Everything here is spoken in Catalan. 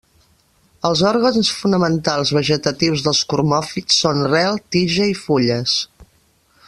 Els òrgans fonamentals vegetatius dels cormòfits són rel, tija i fulles.